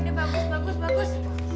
udah bagus bagus bagus